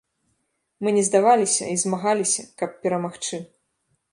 Мы не здаваліся і змагаліся, каб перамагчы.